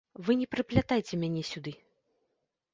Вы не прыплятайце мяне сюды.